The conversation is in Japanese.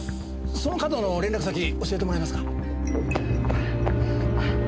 その方の連絡先教えてもらえますか？